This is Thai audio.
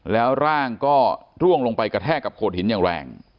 แล้วร่างก็ร่วงลงไปกระแทกกับโขดหินอย่างแรง